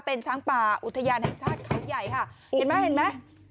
เป็นช้างปลาอุทยาในชาติเข้าใหญ่ค่ะ